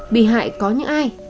bị hại có những ai